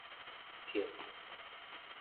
敕